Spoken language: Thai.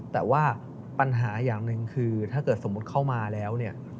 แต่ว่าปัญหาอย่างหนึ่งคือถ้าเกิดสมมุติเข้ามาแล้วเนี่ย